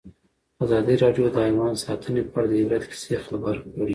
ازادي راډیو د حیوان ساتنه په اړه د عبرت کیسې خبر کړي.